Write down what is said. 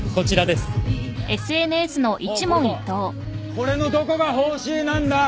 これのどこが報酬なんだ？